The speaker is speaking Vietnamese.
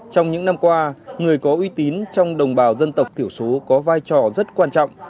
trong những năm qua người có uy tín trong đồng bào dân tộc thiểu số có vai trò rất quan trọng